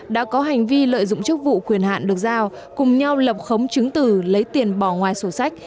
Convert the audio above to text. đã có hành vi lợi dụng chức vụ quyền hạn được giao cùng nhau lập khống chứng từ lấy tiền bỏ ngoài sổ sách